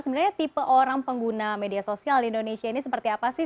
sebenarnya tipe orang pengguna media sosial di indonesia ini seperti apa sih